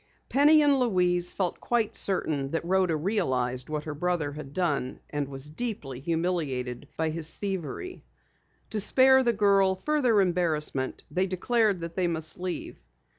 Penny and Louise felt quite certain that Rhoda realized what her brother had done and was deeply humiliated by his thievery. To spare the girl further embarrassment, they declared that they must leave.